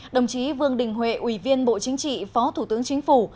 đồng chí vương đình huệ ủy viên bộ chính trị phó thủ tướng chính phủ